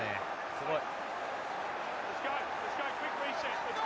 すごい！